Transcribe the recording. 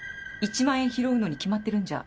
１万円拾うのに決まってるんじゃ。